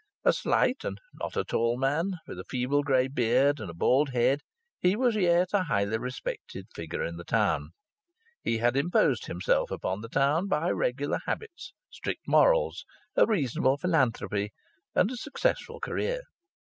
A slight and not a tall man, with a feeble grey beard and a bald head, he was yet a highly respected figure in the town. He had imposed himself upon the town by regular habits, strict morals, a reasonable philanthropy, and a successful career.